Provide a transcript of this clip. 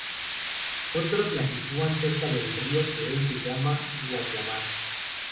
Otros la sitúan cerca del río que hoy se llama Guadiamar.